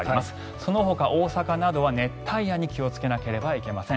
そのほか、大阪などは熱帯夜に気をつけなければいけません。